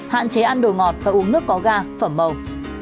hạn chế ăn đồ ngọt và uống nước có ga phẩm màu